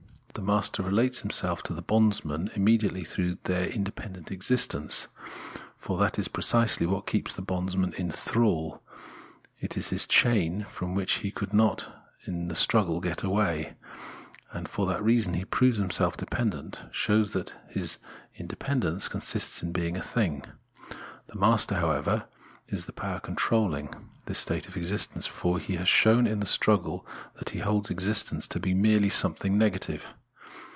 The master relates himself to the bondsman mediately through independent existence, for that is precisely what keeps the bondsman in thrall ; it is his chain, from which he could not in the struggle get away, and for that reason he proves himself dependent, shows that his independence consists in being a thing. The master, however, is the power controlling this state of existence, for he has shown in the struggle that he holds existence to be merely something negative.